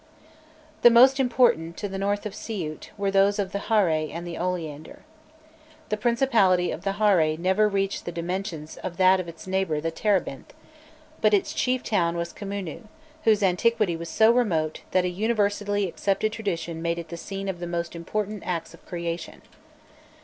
The most important, to the north of Siût, were those of the Hare and the Oleander. The principality of the Hare never reached the dimensions of that of its neighbour the Terebinth, but its chief town was Khmûnû, whose antiquity was so remote, that a universally accepted tradition made it the scene of the most important acts of creation.